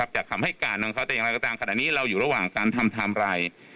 จากคำให้การของเขาแต่อย่างไรก็ตามขณะนี้เราอยู่ระหว่างการทำไทม์ไลน์